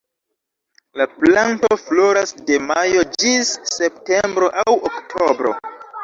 La planto floras de majo ĝis septembro aŭ oktobro.